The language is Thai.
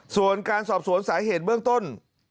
ส่วนการสอบสวนสาเหตุเบื้องต้น